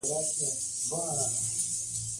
پسرلی د افغان ځوانانو لپاره دلچسپي لري.